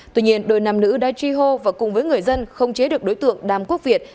tuy nhiên đôi nam nữ đã truy hô và cùng với người dân không chế được đối tượng đàm quốc việt